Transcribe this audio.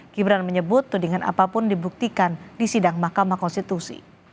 gibran menyebut tudingan apapun dibuktikan di sidang mahkamah konstitusi